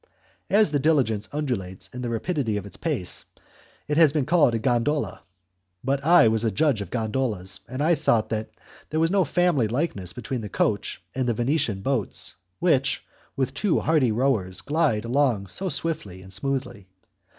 As the diligence undulates in the rapidity of its pace, it has been called a gondola, but I was a judge of gondolas, and I thought that there was no family likeness between the coach and the Venetian boats which, with two hearty rowers, glide along so swiftly and smoothly.